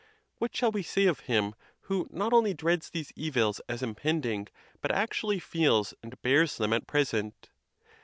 What shall we say of him who not only dreads these evils as impending, but actually feels and bears them at present?